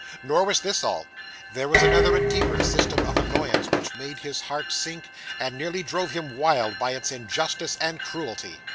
Nor was this all. There was another and deeper system of annoyance which made his heart sink, and nearly drove him wild, by its injustice and cruelty.